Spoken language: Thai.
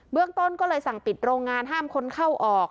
เรื่องต้นก็เลยสั่งปิดโรงงานห้ามคนเข้าออก